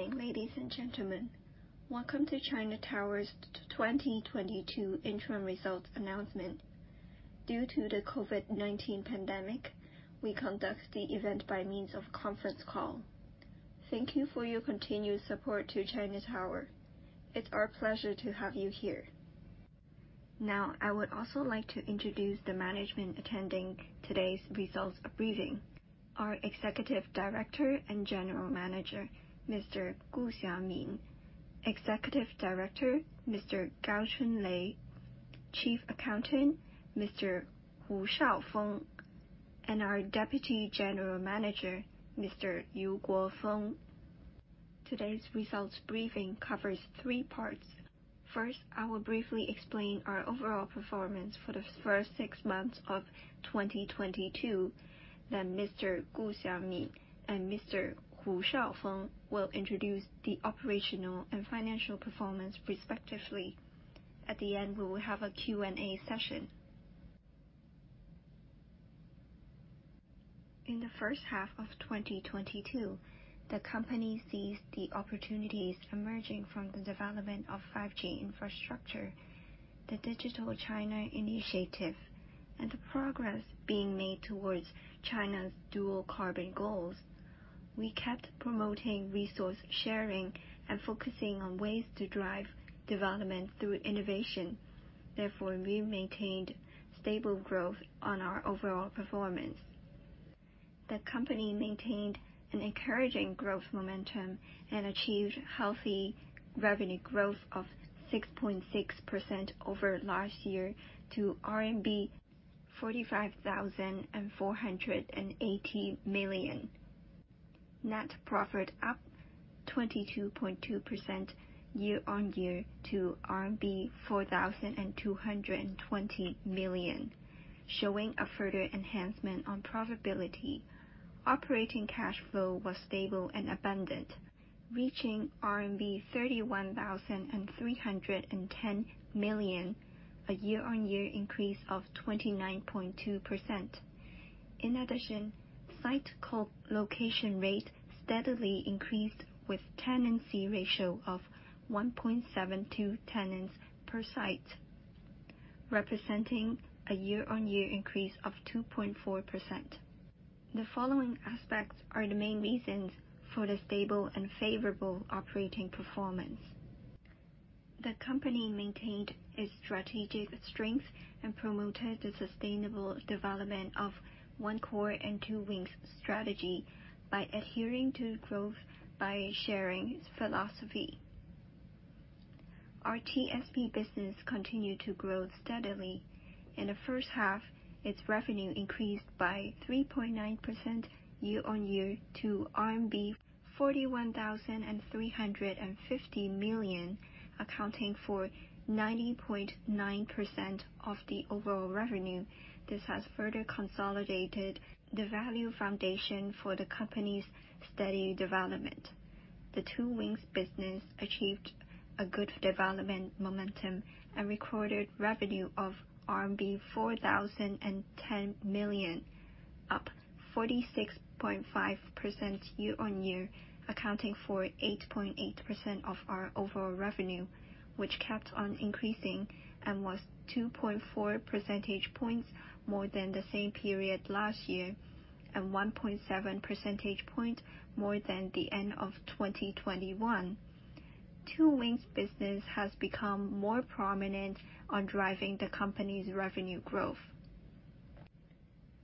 Good evening, ladies and gentlemen. Welcome to China Tower's 2022 interim results announcement. Due to the COVID-19 pandemic, we conduct the event by means of conference call. Thank you for your continued support to China Tower. It's our pleasure to have you here. Now, I would also like to introduce the management attending today's results briefing. Our Executive Director and General Manager, Mr. Gu Xiaomin. Executive Director, Mr. Gao Chunlei. Chief Accountant, Mr. Hu Xiaofeng. And our Deputy General Manager, Mr. Liu Guofeng. Today's results briefing covers three parts. First, I will briefly explain our overall performance for the first six months of 2022, then Mr. Gu Xiaomin and Mr. Hu Xiaofeng will introduce the operational and financial performance respectively. At the end, we will have a Q&A session. In the H1 of 2022, the company seized the opportunities emerging from the development of 5G infrastructure, the Digital China initiative, and the progress being made towards China's dual carbon goals. We kept promoting resource sharing and focusing on ways to drive development through innovation. Therefore, we maintained stable growth on our overall performance. The company maintained an encouraging growth momentum and achieved healthy revenue growth of 6.6% over last year to RMB 45,480 million. Net profit up 22.2% year-on-year to RMB 4,220 million, showing a further enhancement on profitability. Operating cash flow was stable and abundant, reaching RMB 31,310 million, a year-on-year increase of 29.2%. In addition, site co-location rate steadily increased with tenancy ratio of 1.72 tenants per site, representing a year-on-year increase of 2.4%. The following aspects are the main reasons for the stable and favorable operating performance. The company maintained its strategic strength and promoted the sustainable development of One Core and Two Wings strategy by adhering to growth by sharing philosophy. Our TSP business continued to grow steadily. In the H1, its revenue increased by 3.9% year-on-year to RMB 41,350 million, accounting for 90.9% of the overall revenue. This has further consolidated the value foundation for the company's steady development. The Two Wings business achieved a good development momentum and recorded revenue of RMB 4,010 million, up 46.5% year-on-year, accounting for 8.8% of our overall revenue, which kept on increasing and was 2.4 percentage points more than the same period last year and 1.7 percentage points more than the end of 2021. Two Wings business has become more prominent on driving the company's revenue growth.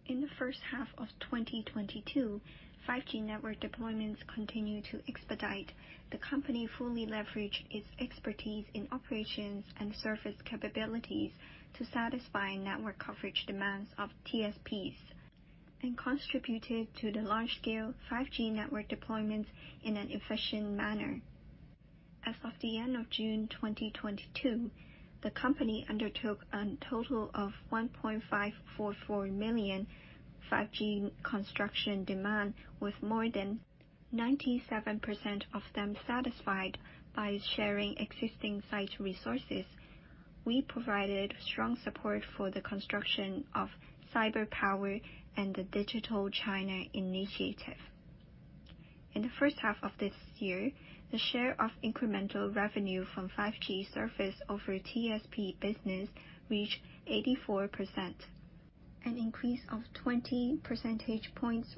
In the H1 of 2022, 5G network deployments continued to expedite. The company fully leveraged its expertise in operations and service capabilities to satisfy network coverage demands of TSPs and contributed to the large-scale 5G network deployments in an efficient manner. As of the end of June 2022, the company undertook a total of 1.544 million 5G construction demand, with more than 97% of them satisfied by sharing existing site resources. We provided strong support for the construction of cyber power and the Digital China initiative. In the H1 of this year, the share of incremental revenue from 5G service of our TSP business reached 84%, an increase of 20 percentage points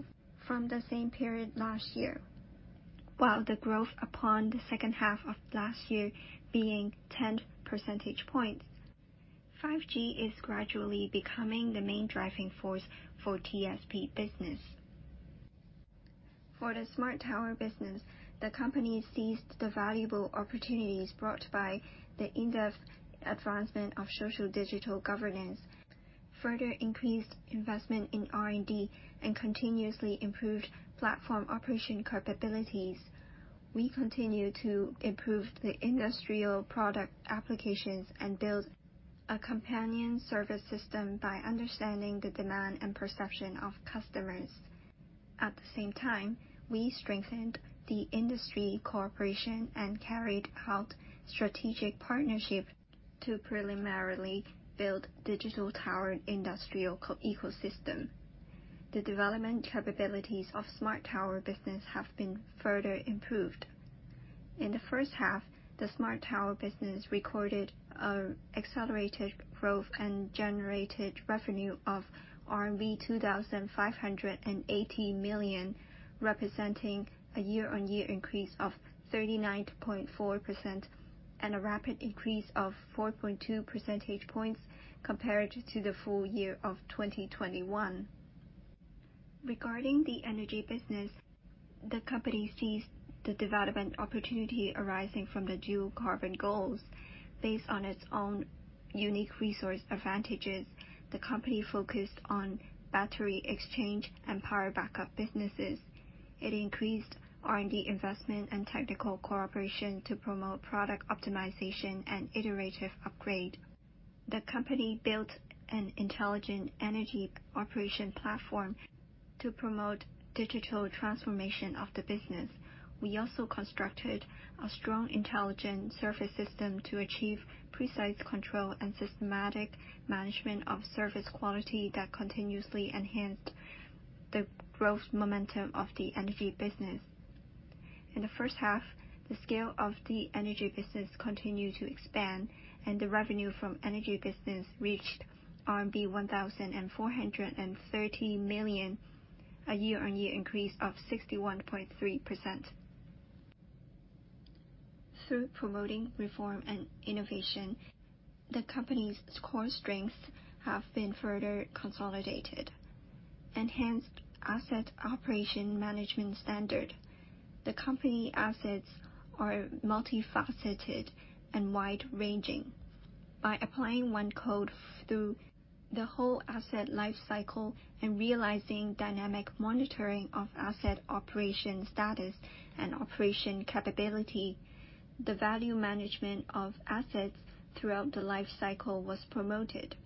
from the same period last year, while the growth upon the H2 of last year being 10 percentage points. 5G is gradually becoming the main driving force for TSP business. For the Smart Tower business, the company seized the valuable opportunities brought by the in-depth advancement of social digital governance, further increased investment in R&D, and continuously improved platform operation capabilities. We continue to improve the industrial product applications and build a companion service system by understanding the demand and perception of customers. At the same time, we strengthened the industry cooperation and carried out strategic partnership to preliminarily build Digital Tower industrial ecosystem. The development capabilities of Smart Tower business have been further improved. In the H1, the Smart Tower business recorded accelerated growth and generated revenue of RMB 2,580 million, representing a year-on-year increase of 39.4% and a rapid increase of 4.2 percentage points compared to the full year of 2021. Regarding the Energy business, the company sees the development opportunity arising from the dual carbon goals. Based on its own unique resource advantages, the company focused on battery exchange and power backup businesses. It increased R&D investment and technical cooperation to promote product optimization and iterative upgrade. The company built an intelligent energy operation platform to promote digital transformation of the business. We also constructed a strong intelligent service system to achieve precise control and systematic management of service quality that continuously enhanced the growth momentum of the energy business. In the H1, the scale of the energy business continued to expand, and the revenue from energy business reached RMB 1,430 million, a year-on-year increase of 61.3%. Through promoting reform and innovation, the company's core strengths have been further consolidated. Enhanced asset operation management standard. The company assets are multifaceted and wide-ranging. By applying one code through the whole asset life cycle and realizing dynamic monitoring of asset operation status and operation capability, the value management of assets throughout the life cycle was promoted.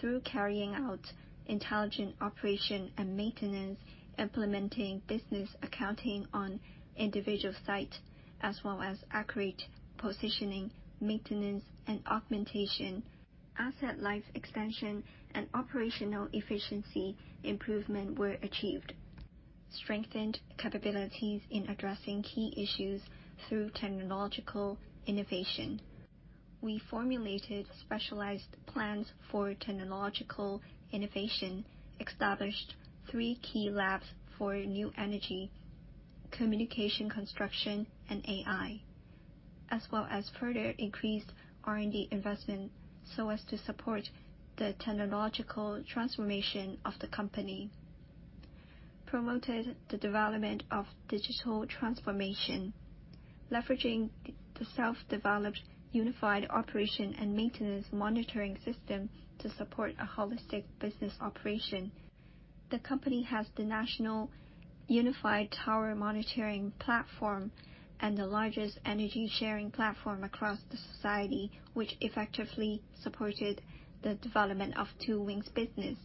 Through carrying out intelligent operation and maintenance, implementing business accounting on individual sites, as well as accurate positioning, maintenance, and augmentation, asset life extension and operational efficiency improvement were achieved. Strengthened capabilities in addressing key issues through technological innovation. We formulated specialized plans for technological innovation, established three key labs for new energy, communication, construction, and AI, as well as further increased R&D investment, so as to support the technological transformation of the company. Promoted the development of digital transformation. Leveraging the self-developed unified operation and maintenance monitoring system to support a holistic business operation. The company has the national unified tower monitoring platform and the largest energy-sharing platform across the society, which effectively supported the development of Two Wings business.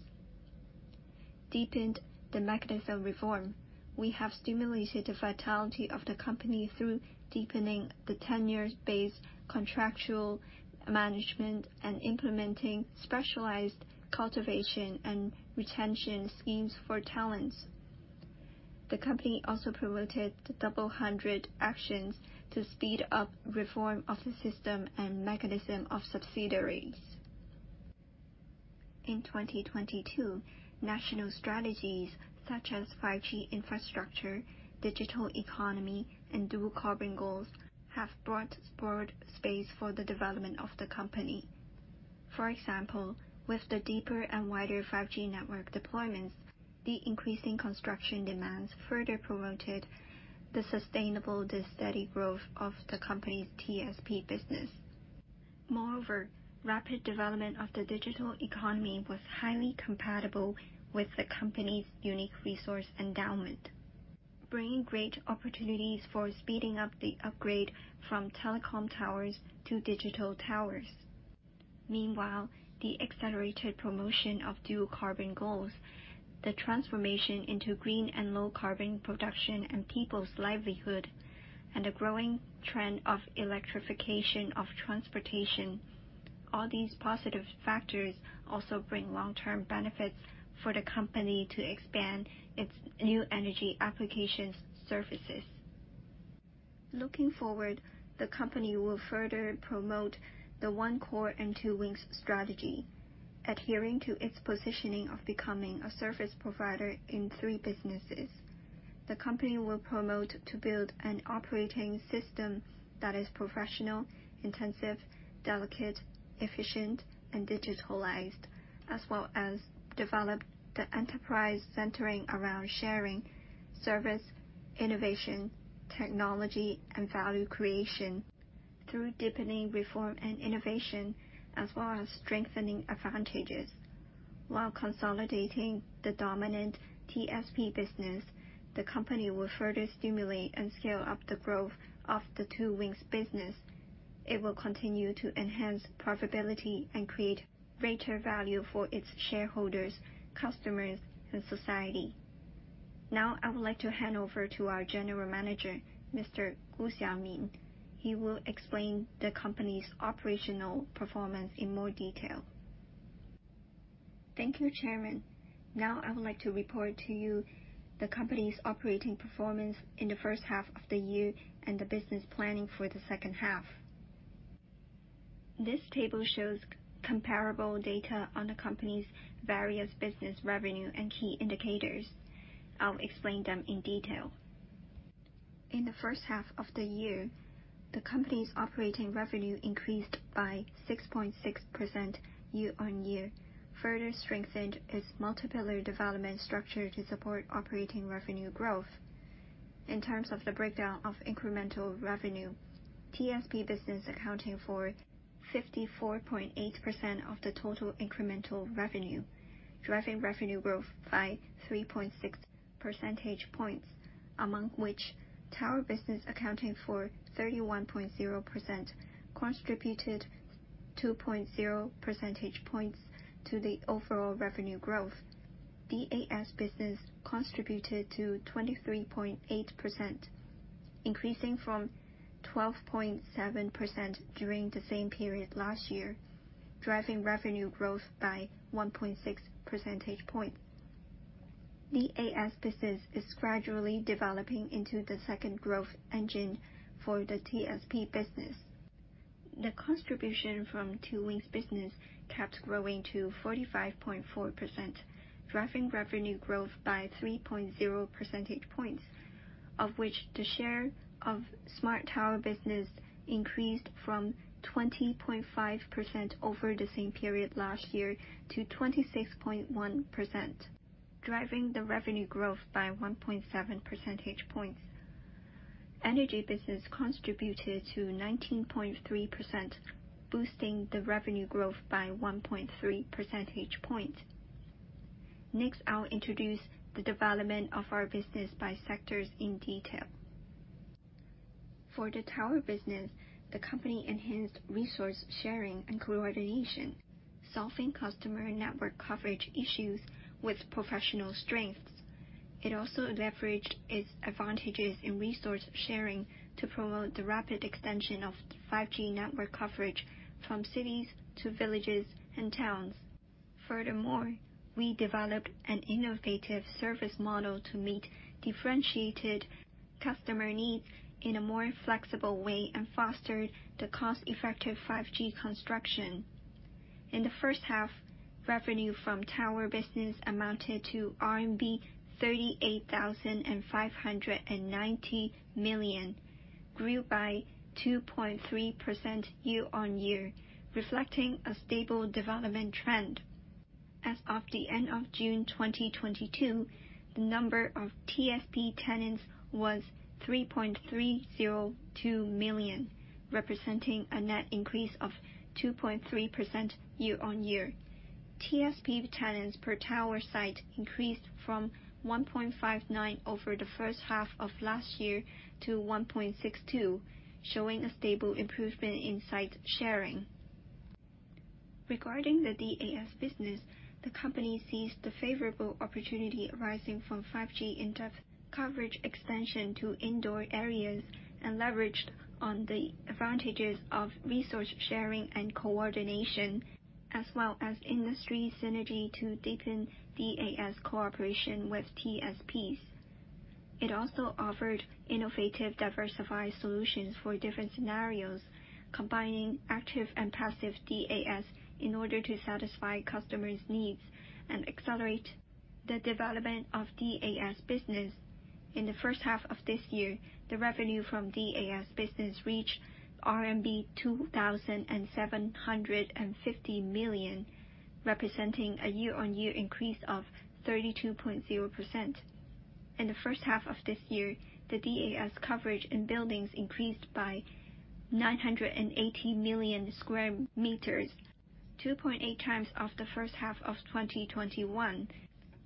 Deepened the mechanism reform. We have stimulated the vitality of the company through deepening the tenure-based contractual management and implementing specialized cultivation and retention schemes for talents. The company also promoted the Double Hundred Actions to speed up reform of the system and mechanism of subsidiaries. In 2022, national strategies such as 5G infrastructure, digital economy, and dual carbon goals have brought broad space for the development of the company. For example, with the deeper and wider 5G network deployments, the increasing construction demands further promoted the sustainable and steady growth of the company's TSP business. Moreover, rapid development of the digital economy was highly compatible with the company's unique resource endowment, bringing great opportunities for speeding up the upgrade from telecom towers to digital towers. Meanwhile, the accelerated promotion of dual carbon goals, the transformation into green and low carbon production and people's livelihood, and the growing trend of electrification of transportation. All these positive factors also bring long-term benefits for the company to expand its new energy application scenarios. Looking forward, the company will further promote the One Core and Two Wings strategy, adhering to its positioning of becoming a service provider in three businesses. The company will promote to build an operating system that is professional, intensive, delicate, efficient, and digitalized, as well as develop the enterprise centering around sharing, service, innovation, technology, and value creation through deepening reform and innovation as well as strengthening advantages. While consolidating the dominant TSP business, the company will further stimulate and scale up the growth of the Two Wings business. It will continue to enhance profitability and create greater value for its shareholders, customers, and society. Now I would like to hand over to our General Manager, Mr. Gu Xiaomin. He will explain the company's operational performance in more detail. Thank you, Chairman. Now I would like to report to you the company's operating performance in the H1 of the year and the business planning for the H2. This table shows comparable data on the company's various business revenue and key indicators. I'll explain them in detail. In the H1 of the year, the company's operating revenue increased by 6.6% year-on-year, further strengthened its multi-pillar development structure to support operating revenue growth. In terms of the breakdown of incremental revenue, TSP business accounting for 54.8% of the total incremental revenue, driving revenue growth by 3.6 percentage points, among which tower business accounting for 31.0% contributed 2.0 percentage points to the overall revenue growth. DAS business contributed to 23.8%, increasing from 12.7% during the same period last year, driving revenue growth by 1.6 percentage point. DAS business is gradually developing into the second growth engine for the TSP business. The contribution from Two Wings business kept growing to 45.4%, driving revenue growth by 3.0 percentage points, of which the share of Smart Tower business increased from 20.5% over the same period last year to 26.1%, driving the revenue growth by 1.7 percentage points. Energy business contributed to 19.3%, boosting the revenue growth by 1.3 percentage point. Next, I'll introduce the development of our business by sectors in detail. For the tower business, the company enhanced resource sharing and coordination, solving customer network coverage issues with professional strengths. It also leveraged its advantages in resource sharing to promote the rapid extension of 5G network coverage from cities to villages and towns. Furthermore, we developed an innovative service model to meet differentiated customer needs in a more flexible way and fostered the cost-effective 5G construction. In the H1, revenue from tower business amounted to RMB 38,590 million, grew by 2.3% year-on-year, reflecting a stable development trend. As of the end of June 2022, the number of TSP tenants was 3.302 million, representing a net increase of 2.3% year-on-year. TSP tenants per tower site increased from 1.59 over the H1 of last year to 1.62, showing a stable improvement in site sharing. Regarding the DAS business, the company seized the favorable opportunity arising from 5G in-depth coverage expansion to indoor areas and leveraged on the advantages of resource sharing and coordination, as well as industry synergy to deepen DAS cooperation with TSPs. It also offered innovative diversified solutions for different scenarios, combining active and passive DAS in order to satisfy customers' needs and accelerate the development of DAS business. In the H1 of this year, the revenue from DAS business reached RMB 2,750 million, representing a year-on-year increase of 32.0%. In the H1 of this year, the DAS coverage in buildings increased by 980 million square meters, 2.8x of the H1 of 2021.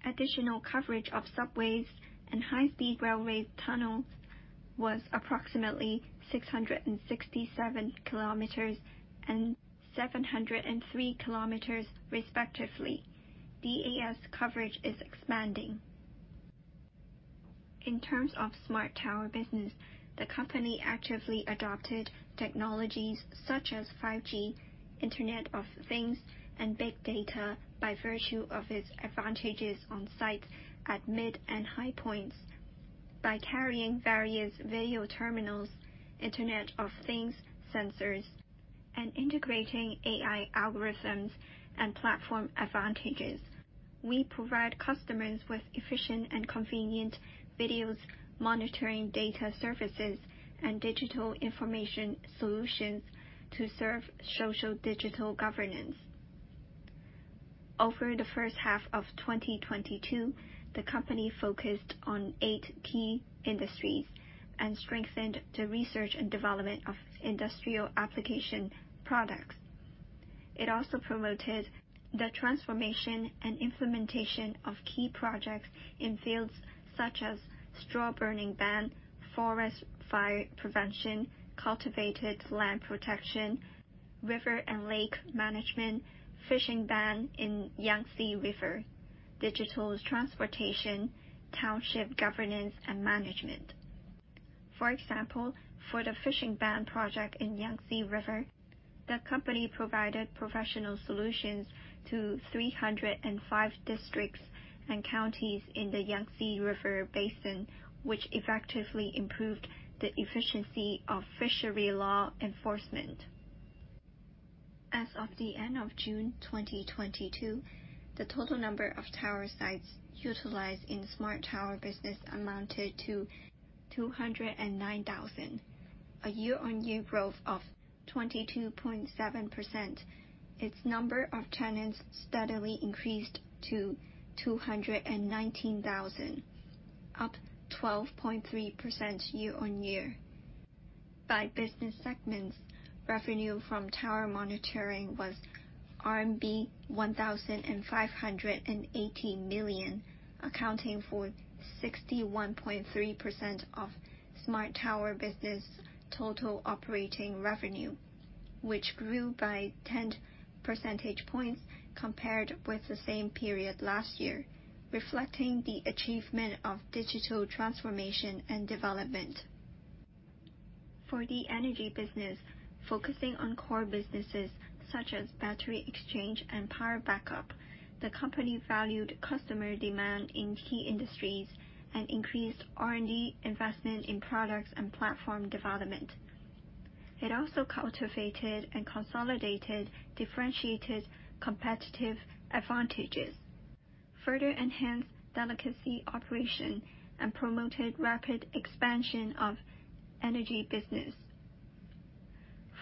Additional coverage of subways and high-speed railway tunnels was approximately 667 Km and 703 Km respectively. DAS coverage is expanding. In terms of Smart Tower business, the company actively adopted technologies such as 5G, Internet of Things, and big data by virtue of its advantages on sites at mid and high points. By carrying various video terminals, Internet of Things sensors, and integrating AI algorithms and platform advantages, we provide customers with efficient and convenient video monitoring data services and digital information solutions to serve social digital governance. Over the H1 of 2022, the company focused on eight key industries and strengthened the research and development of industrial application products. It also promoted the transformation and implementation of key projects in fields such as straw burning ban, forest fire prevention, cultivated land protection, river and lake management, fishing ban in Yangtze River, digital transportation, township governance and management. For example, for the fishing ban project in Yangtze River, the company provided professional solutions to 305 districts and counties in the Yangtze River Basin, which effectively improved the efficiency of fishery law enforcement. As of the end of June 2022, the total number of tower sites utilized in the Smart Tower business amounted to 209,000, a year-on-year growth of 22.7%. Its number of tenants steadily increased to 219,000, up 12.3% year-on-year. By business segments, revenue from tower monitoring was RMB 1,580 million, accounting for 61.3% of Smart Tower business total operating revenue, which grew by 10 percentage points compared with the same period last year, reflecting the achievement of digital transformation and development. For the Energy business, focusing on core businesses such as battery exchange and power backup, the company valued customer demand in key industries and increased R&D investment in products and platform development. It also cultivated and consolidated differentiated competitive advantages, further enhanced delicate operation, and promoted rapid expansion of Energy business.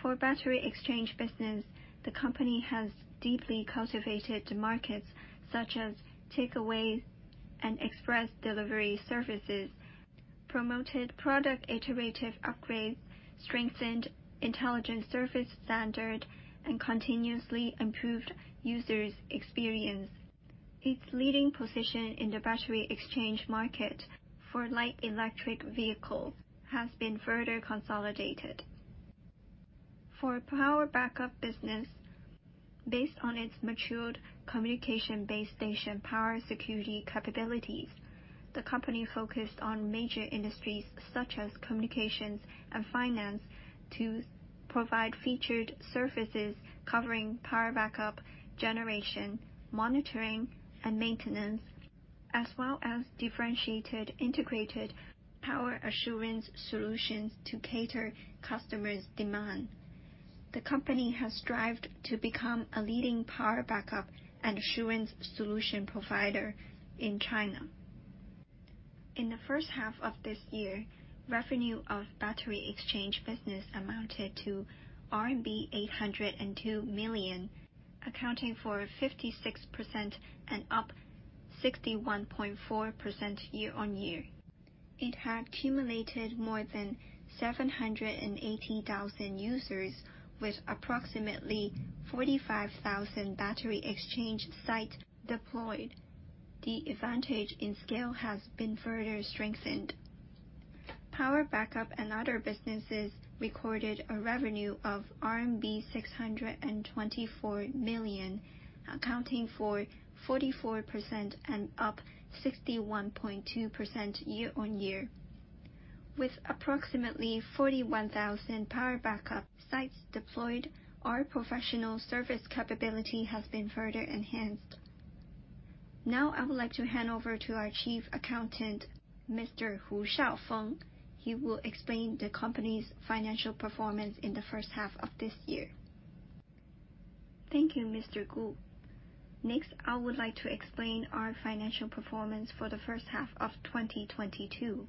For battery exchange business, the company has deeply cultivated the markets such as takeaways and express delivery services, promoted product iterative upgrades, strengthened intelligent service standard, and continuously improved users' experience. Its leading position in the battery exchange market for light electric vehicles has been further consolidated. For power backup business, based on its matured communication-based station power security capabilities, the company focused on major industries such as communications and finance to provide featured services covering power backup, generation, monitoring, and maintenance, as well as differentiated integrated power assurance solutions to cater to customers' demand. The company has strived to become a leading power backup assurance solution provider in China. In the H1 of this year, revenue of battery exchange business amounted to RMB 802 million, accounting for 56% and up 61.4% year-over-year. It had accumulated more than 780,000 users with approximately 45,000 battery exchange sites deployed. The advantage in scale has been further strengthened. Power backup and other businesses recorded a revenue of RMB 624 million, accounting for 44% and up 61.2% year-over-year. With approximately 41,000 power backup sites deployed, our professional service capability has been further enhanced. Now I would like to hand over to our Chief Accountant, Mr. Hu Xiaofeng. He will explain the company's financial performance in the H1 of this year. Thank you, Mr. Gu. Next, I would like to explain our financial performance for the H1 of 2022.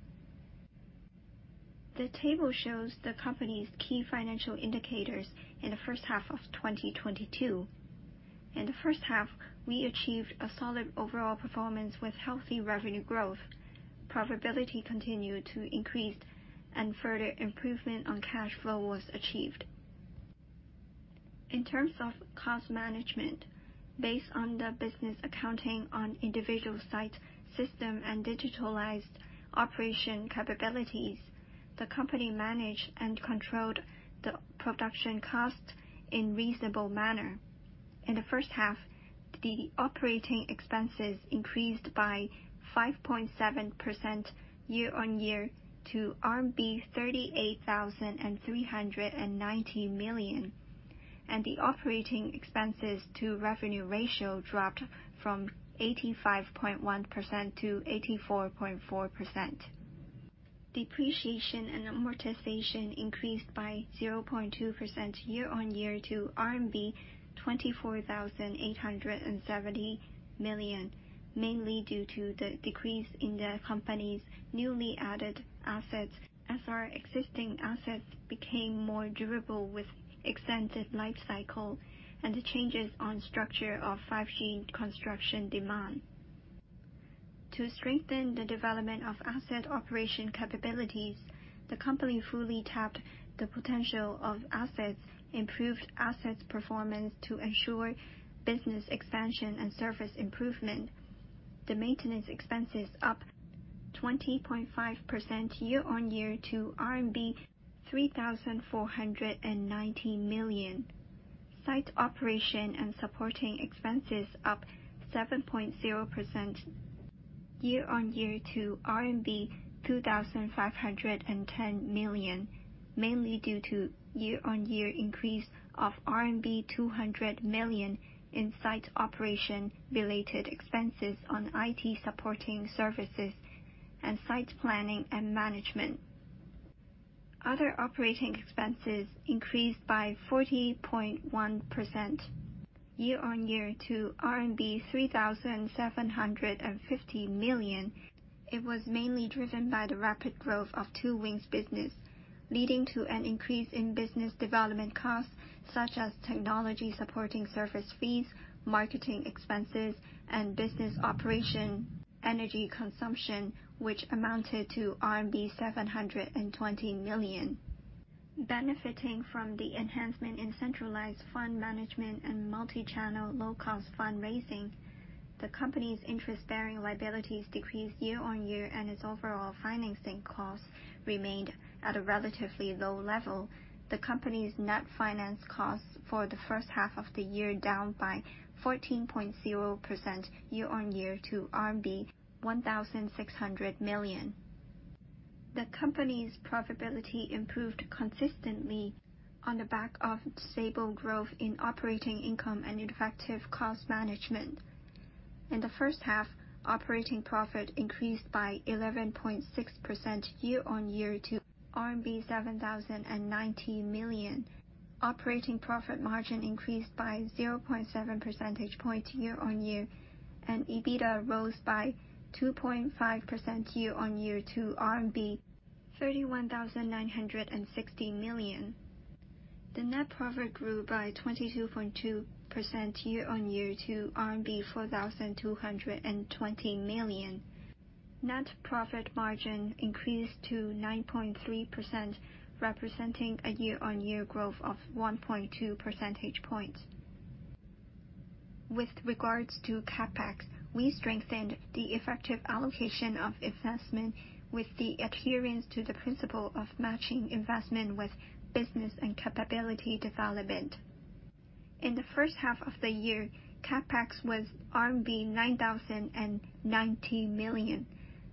The table shows the company's key financial indicators in the H1 of 2022. In the H1, we achieved a solid overall performance with healthy revenue growth. Profitability continued to increase, and further improvement on cash flow was achieved. In terms of cost management, based on the business accounting and individual site system and digitalized operation capabilities, the company managed and controlled the production cost in reasonable manner. In the H1, the operating expenses increased by 5.7% year-on-year to RMB 38,390 million. The operating expenses to revenue ratio dropped from 85.1% to 84.4%. Depreciation and amortization increased by 0.2% year-on-year to RMB 24,870 million, mainly due to the decrease in the company's newly added assets as our existing assets became more durable with extended life cycle, and the changes in structure of 5G construction demand. To strengthen the development of asset operation capabilities, the company fully tapped the potential of assets, improved assets performance to ensure business expansion and service improvement. The maintenance expenses up 20.5% year-on-year to RMB 3,490 million. Site operation and supporting expenses up 7.0% year-on-year to RMB 2,510 million, mainly due to year-on-year increase of RMB 200 million in site operation related expenses on IT supporting services and site planning and management. Other operating expenses increased by 40.1% year-on-year to RMB 3,750 million. It was mainly driven by the rapid growth of Two Wings business, leading to an increase in business development costs such as technology supporting service fees, marketing expenses and business operation energy consumption, which amounted to RMB 720 million. Benefiting from the enhancement in centralized fund management and multi-channel low cost fundraising, the company's interest-bearing liabilities decreased year-on-year and its overall financing costs remained at a relatively low level. The company's net finance costs for the H1 of the year down by 14.0% year-on-year to RMB 1,600 million. The company's profitability improved consistently on the back of stable growth in operating income and effective cost management. In the H1, operating profit increased by 11.6% year-on-year to RMB 7,090 million. Operating profit margin increased by 0.7 percentage points year-on-year and EBITDA rose by 2.5% year-on-year to RMB 31,960 million. The net profit grew by 22.2% year-on-year to RMB 4,220 million. Net profit margin increased to 9.3%, representing a year-on-year growth of 1.2 percentage points. With regards to CapEx, we strengthened the effective allocation of investment with the adherence to the principle of matching investment with business and capability development. In the H1 of the year, CapEx was RMB 9,090 million,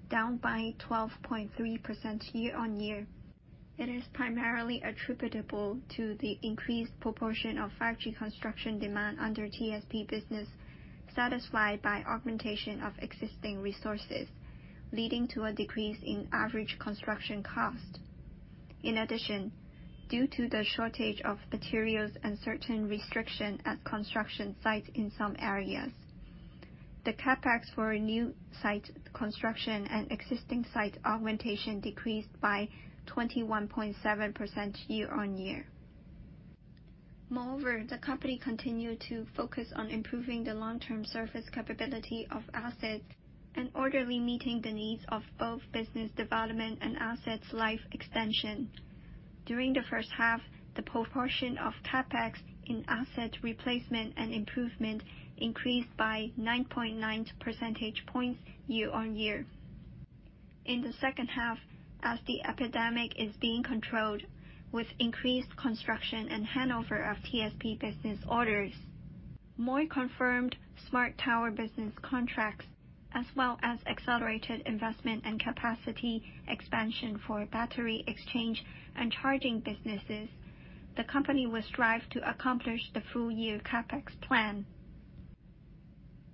down by 12.3% year-on-year. It is primarily attributable to the increased proportion of 5G construction demand under TSP business, satisfied by augmentation of existing resources, leading to a decrease in average construction cost. In addition, due to the shortage of materials and certain restriction at construction sites in some areas, the CapEx for new site construction and existing site augmentation decreased by 21.7% year-on-year. Moreover, the company continued to focus on improving the long term service capability of assets and orderly meeting the needs of both business development and assets life extension. During the H1, the proportion of CapEx in asset replacement and improvement increased by 9.9 percentage points year-on-year. In the H2, as the epidemic is being controlled with increased construction and handover of TSP business orders, more confirmed Smart Tower business contracts as well as accelerated investment and capacity expansion for battery exchange and charging businesses. The company will strive to accomplish the full year CapEx plan.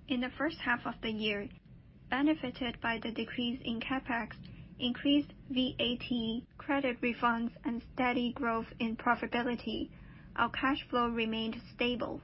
In the H1 of the year, benefited by the decrease in CapEx, increased VAT credit refunds and steady growth in profitability, our cash flow remained stable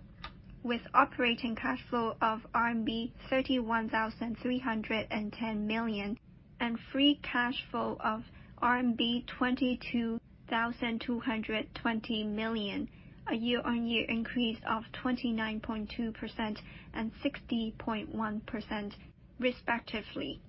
with operating cash flow of RMB 31,310 million and free cash flow of RMB 22,220 million, a year-on-year increase of 29.2% and 60.1% respectively.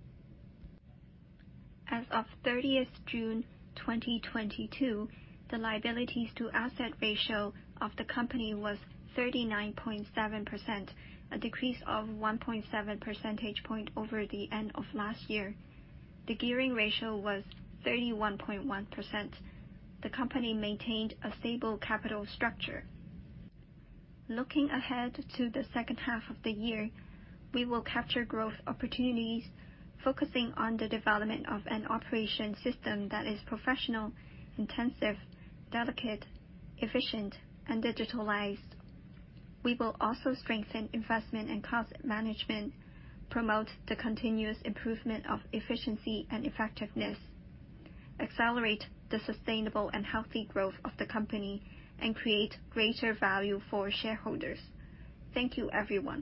As of June 30th, 2022, the liabilities to asset ratio of the company was 39.7%, a decrease of 1.7 percentage points over the end of last year. The gearing ratio was 31.1%. The company maintained a stable capital structure. Looking ahead to the H2 of the year, we will capture growth opportunities, focusing on the development of an operation system that is professional, intensive, delicate, efficient and digitalized. We will also strengthen investment and cost management, promote the continuous improvement of efficiency and effectiveness, accelerate the sustainable and healthy growth of the company and create greater value for shareholders. Thank you everyone.